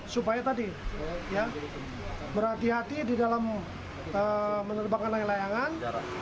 supaya tadi berhati hati di dalam menerbangkan layang layangan